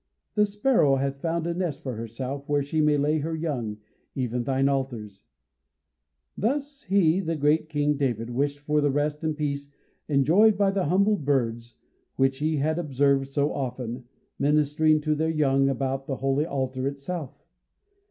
"The sparrow hath found a nest for herself where she may lay her young, even thine altars." Thus he, the great King David, wished for the rest and peace enjoyed by the humble birds which he had observed so often, ministering to their young about the holy altar itself.